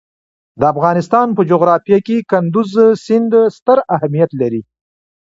د افغانستان په جغرافیه کې کندز سیند ستر اهمیت لري.